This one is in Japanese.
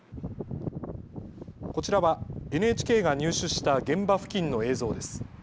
こちらはＮＨＫが入手した現場付近の映像です。